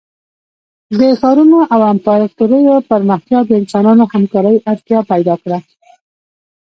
د ښارونو او امپراتوریو پراختیا د انسانانو همکارۍ اړتیا پیدا کړه.